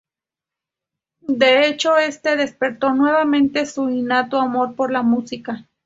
Este hecho despertó nuevamente su innato amor por la música.